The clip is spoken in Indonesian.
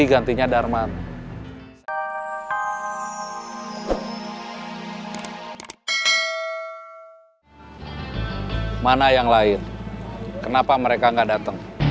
kang mus itu tangan kanan kang bahar